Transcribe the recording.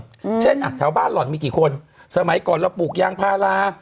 อืมเช่นอ่ะแถวบ้านหล่อนมีกี่คนสมัยก่อนเราปลูกยางพารา